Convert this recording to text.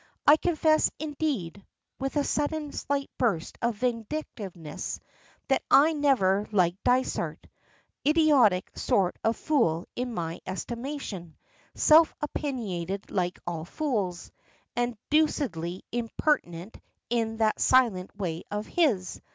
"I confess, indeed," with a sudden slight burst of vindictiveness, "that I never liked Dysart; idiotic sort of fool in my estimation, self opinionated like all fools, and deucedly impertinent in that silent way of his.